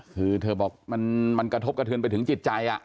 คือเธอบอกมันกระทบกระเทือนไปถึงจิตใจ